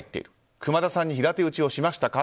熊田さんに平手打ちをしましたか？